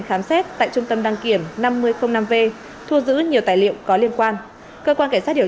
khám xét tại trung tâm đăng kiểm năm v thu giữ nhiều tài liệu có liên quan cơ quan cảnh sát điều